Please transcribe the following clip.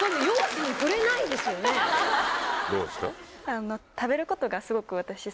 どうですか？